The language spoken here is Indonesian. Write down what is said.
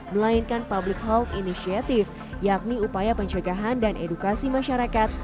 melainkan public health initiative yakni upaya pencegahan dan edukasi masyarakat